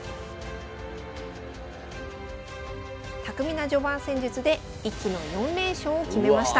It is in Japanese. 巧みな序盤戦術で一気の４連勝を決めました。